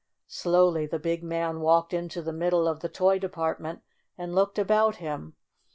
Slowly the big man walked into the middle of the toy department and looked about him.